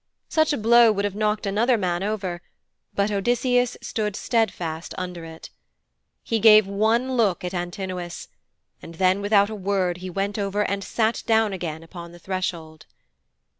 Such a blow would have knocked another man over, but Odysseus stood steadfast under it. He gave one look at Antinous, and then without a word he went over and sat down again upon the threshold.